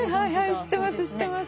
知ってます。